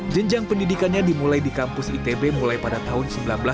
jenjang pendidikannya dimulai di kampus itb mulai pada tahun seribu sembilan ratus delapan puluh